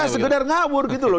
sekedar ngawur gitu loh